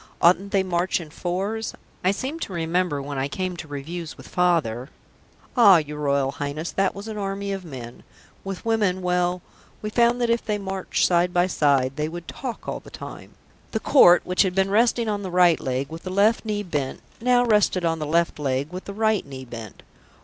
"Oughtn't they to march in fours? I seem to remember, when I came to reviews with Father " "Ah, your Royal Highness, that was an army of men. With women well, we found that if they marched side by side, they would talk all the time." The Court, which had been resting on the right leg with the left knee bent, now rested on the left leg with the right knee bent.